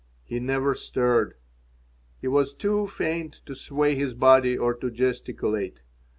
He never stirred. He was too faint to sway his body or to gesticulate.